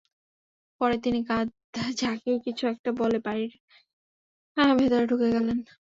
পরে তিনি কাঁধ ঝাঁকিয়ে কিছু একটা বলে বাড়ির ভেতর ঢুকে গেলেন।